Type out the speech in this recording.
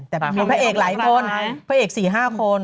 แต่บางคนพระเอกหลายคนพระเอก๔๕คน